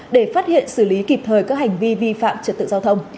để phát hiện xử lý kịp thời các hành vi vi phạm trật tự giao thông